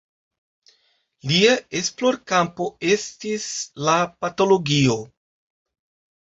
Lia esplorkampo estis la patologio.